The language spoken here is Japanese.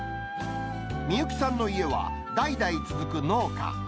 美幸さんの家は、代々続く農家。